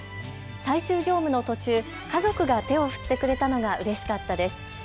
最終乗務の途中、家族が手を振ってくれたのがうれしかったです。